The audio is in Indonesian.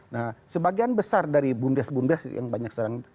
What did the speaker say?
nah sebagian besar dari bumdes bumdes yang banyak sekarang